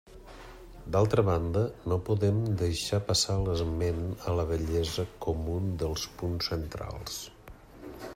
D'altra banda, no podem deixar passar l'esment a la bellesa com un dels punts centrals.